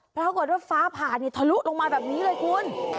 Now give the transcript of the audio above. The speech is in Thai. ปรากฏว่าฟ้าผ่าทะลุลงมาแบบนี้เลยคุณ